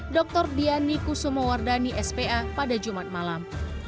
dr diani kusumowardani spa pada jumat malam